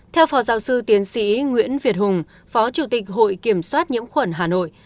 theo phó giáo sư tiến sĩ nguyễn việt hùng phó chủ tịch hội kiểm soát nhiễm khuẩn hà nội